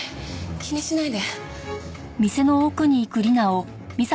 気にしないで。